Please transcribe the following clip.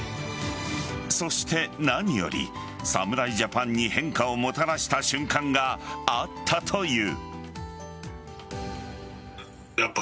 そして何より、侍ジャパンに変化をもたらした瞬間があったという。